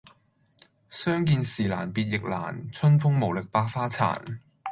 相見時難別亦難，東風無力百花殘。